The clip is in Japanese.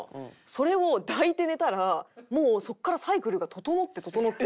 それを抱いて寝たらもうそこからサイクルが整って整って。